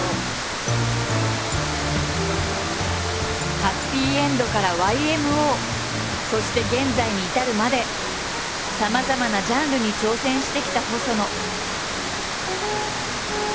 はっぴいえんどからＹМＯそして現在に至るまでさまざまなジャンルに挑戦してきた細野。